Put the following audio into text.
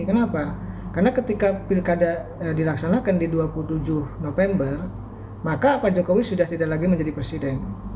kenapa karena ketika pilkada dilaksanakan di dua puluh tujuh november maka pak jokowi sudah tidak lagi menjadi presiden